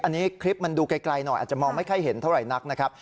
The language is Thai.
อันนี้คลิปมันดูไกลหน่อยอาจจะมองไม่ค่อยเห็นเท่าไหร่นักนะครับ